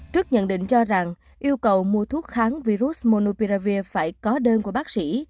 trước nhận định cho rằng yêu cầu mua thuốc kháng virus monopia phải có đơn của bác sĩ